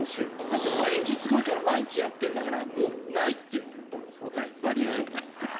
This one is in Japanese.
だって毎日すごいから毎日やっているからもうないというバリエーションが。